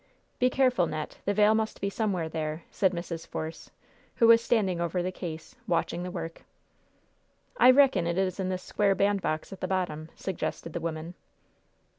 "Be careful, Net. The veil must be somewhere there," said Mrs. Force, who was standing over the case, watching the work. "I reckon it is in this square bandbox at the bottom," suggested the woman.